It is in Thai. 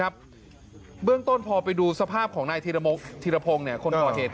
เบื้องต้นพอไปดูสภาพของนายธีรพงศ์คนก่อเหตุ